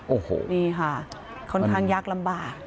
โอ้โหนี่ค่ะค่อนข้างยากลำบาก